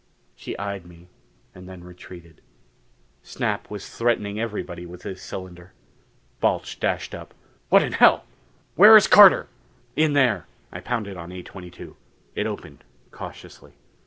She eyed me and then retreated. Snap was threatening everybody with his cylinder. Balch dashed up. "What in hell! Where is Carter?" "In there." I pounded on A22. It opened cautiously.